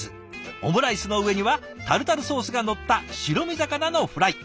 オムライスの上にはタルタルソースがのった白身魚のフライ。